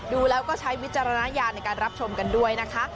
ดูแล้วก็ใช้วิจารณญาณในการรับชมกันด้วยนะคะ